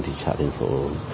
thì trả thành phố